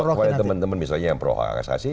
kepada teman teman misalnya yang pro hak asasi